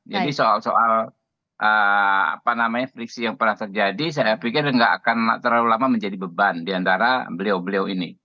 jadi soal soal apa namanya fliksi yang pernah terjadi saya pikir nggak akan terlalu lama menjadi beban diantara beliau beliau ini